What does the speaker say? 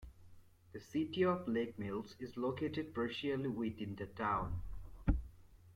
The city of Lake Mills is located partially within the town.